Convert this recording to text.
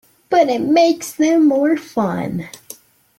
But it makes them more fun!